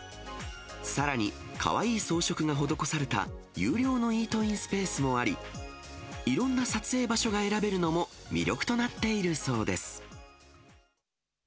さらに、かわいい装飾が施された有料のイートインスペースもあり、いろんな撮影場所が選べるのも魅力となっているそうです。